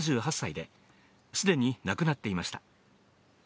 ７８歳ですでに亡くなっていました。